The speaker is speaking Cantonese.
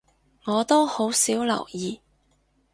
我都好少留意